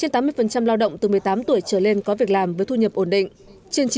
trên tám mươi lao động từ một mươi tám tuổi trở lên có việc làm với thu nhập ổn định